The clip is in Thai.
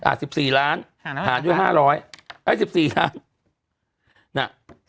อ่ะ๑๔ล้านหารด้วย๕๐๐เอ้ย๑๔ล้านน่ะ